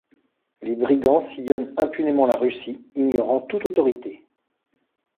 Les brigands sillonnent impunément la Russie, ignorant toute autorité.